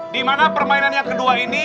di mana permainan yang kedua ini